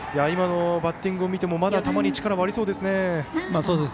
今のバッティングを見てもまだ球に力がありそうですね。